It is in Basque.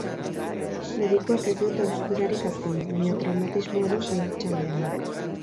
Medikuek ez diote hausturarik antzeman, baina traumatismoa du saihetsaldean.